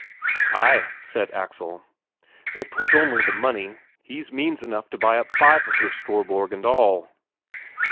"Ay," said Axel, "if 'twas only the money. He's means enough to buy up five of your Storborg and all!"